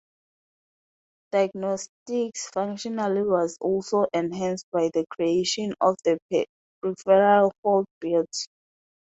Diagnostics functionality was also enhanced by the creation of the Peripheral Fault Bit.